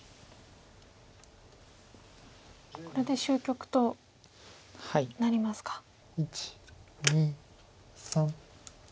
これで終局となりますか。